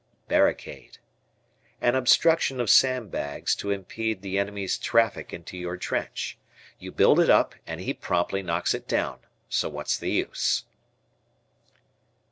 Barricade. An obstruction of sandbags to impede the enemy's traffic into your trench. You build it up and he promptly knocks it down, so what's the use.